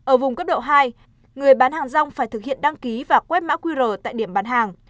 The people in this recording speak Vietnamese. ở vùng cấp độ hai người bán hàng rong phải thực hiện đăng ký và quét mã qr tại điểm bán hàng